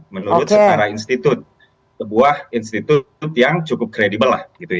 menurut sebuah institut yang cukup kredibel